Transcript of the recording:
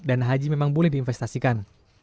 dan haji memang boleh diinvestasikan